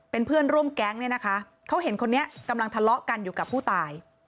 เป็นเพื่อนร่วมแก๊งเนี่ยนะคะเขาเห็นคนนี้กำลังทะเลาะกันอยู่กับผู้ตาย